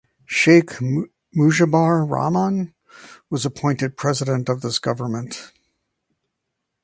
Sheikh Mujibur Rahman was appointed president of this government.